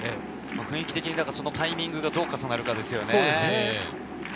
雰囲気的に、そのタイミングがどう重なるかですよね。